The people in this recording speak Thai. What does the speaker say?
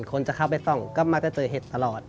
คนจะเข้าไปส่องก็มักจะเจอเห็ดตลอด